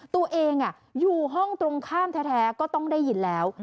ตัวเองอยู่ห้องตรงข้ามแท้ก็ต้องได้ยินแล้ว